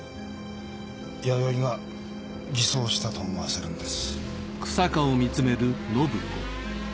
弥生が偽装したと思わせるんです